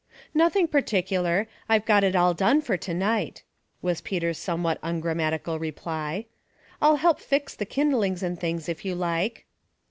" Nothing particular. I've got it all done for to night," was Peter's somevvhat ungrammatical reply. " I'll help fix the kindlings and things, if you like."